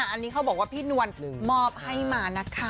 อันนี้เขาบอกว่าพี่นวลมอบให้มานะคะ